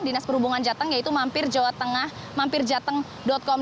dinas perhubungan jateng yaitu mampirjateng com